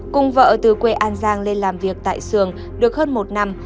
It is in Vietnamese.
cùng vợ từ quê an giang lên làm việc tại sườn được hơn một năm